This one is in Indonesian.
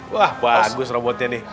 wah bagus robotnya nih